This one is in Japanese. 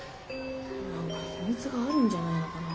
なんかヒミツがあるんじゃないのかな？